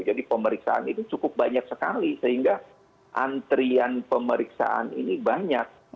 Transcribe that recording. jadi pemeriksaan itu cukup banyak sekali sehingga antrian pemeriksaan ini banyak